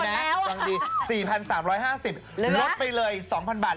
๔๓๕๐บาทลดไปเลย๒๐๐๐บาท